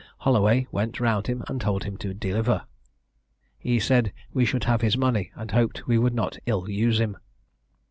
Holloway went round him, and told him to deliver. He said we should have his money, and hoped we would not ill use him.